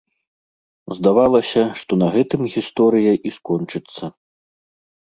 Здавалася, што на гэтым гісторыя і скончыцца.